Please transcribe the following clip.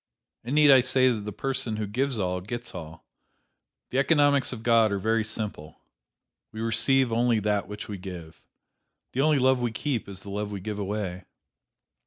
And need I say that the person who gives all, gets all! The economics of God are very simple: We receive only that which we give. The only love we keep is the love we give away.